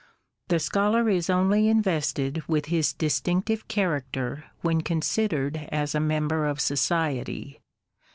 The Scholar is only invested with his distinctive character when con sidered as a member of society.